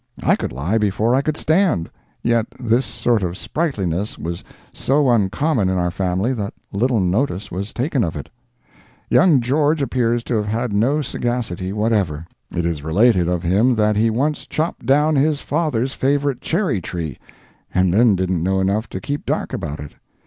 I could lie before I could stand—yet this sort of sprightliness was so common in our family that little notice was taken of it. Young George appears to have had no sagacity whatever. It is related of him that he once chopped down his father's favorite cherry tree, and then didn't know enough to keep dark about it.